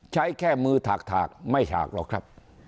ใช้แค่มือถากไม่ถากหรอกครับ